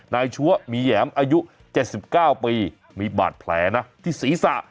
ชัวมีแหยมอายุ๗๙ปีมีบาดแผลนะที่ศีรษะ